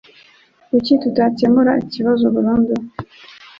Kuki tutakemura ikibazo burundu?